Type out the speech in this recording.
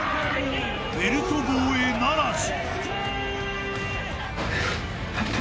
［ベルト防衛ならず］